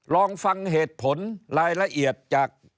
ลองฟังเหตุผลรายละเอียดจาก